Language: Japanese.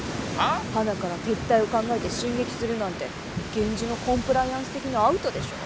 はなから撤退を考えて進撃するなんて源氏のコンプライアンス的にアウトでしょ。